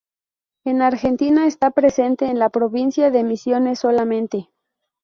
En Argentina está presente en la provincia de Misiones solamente.